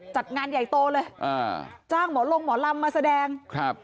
จัดงานใหญ่โตเลยอ่าจ้างหมอลงหมอลำมาแสดงครับ